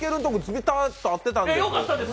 ビタっと合ってたんです。